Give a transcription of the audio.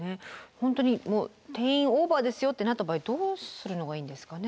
本当に定員オーバーですよってなった場合どうするのがいいんですかね？